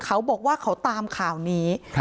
เขาบอกว่าเขาตามข่าวนี้